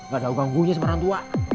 gak ada yang ganggu sama orang tua